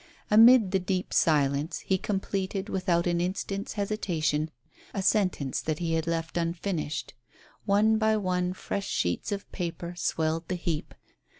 Amid the deep silence he completed without an instant's hesitation a sentence that he had left unfinished. One by one fresh sheets of paper swelled the heap.